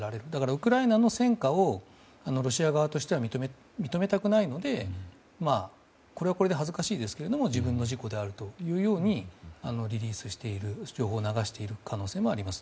ウクライナの戦果をロシア側としては認めたくないのでこれはこれで恥ずかしいですが自分の事故であると情報を流している可能性もあります。